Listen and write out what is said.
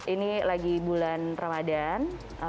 ini lagi bulan ramadan